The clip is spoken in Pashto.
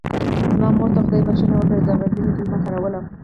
زما مور ته خدای بښنه وکړي د غندنې کلمه کاروله.